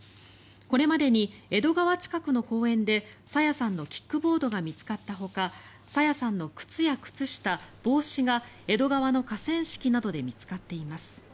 これまでに江戸川近くの公園で朝芽さんのキックボードが見つかったほか朝芽さんの靴や靴下、帽子が江戸川の河川敷などで見つかっています。